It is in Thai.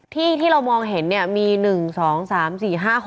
ที่เรามองเห็นเนี่ยมี๑๒๓๔๕๖